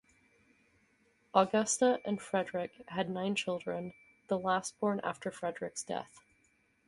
Augusta and Frederick had nine children, the last born after Frederick's death.